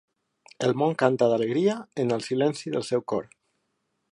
El món canta d'alegria en el silenci del seu cor.